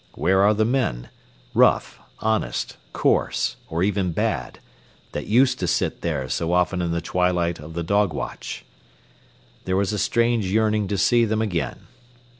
Where are the men, rough, honest, coarse, or even bad, that used to sit there so often in the twilight of the dog watch? There is a strange yearning to see them again.